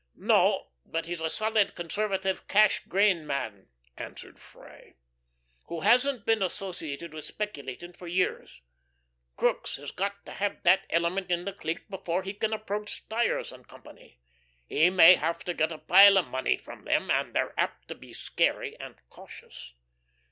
"No, but he's a solid, conservative cash grain man," answered Freye, "who hasn't been associated with speculating for years. Crookes has got to have that element in the clique before we can approach Stires & Co. We may have to get a pile of money from them, and they're apt to be scary and cautious.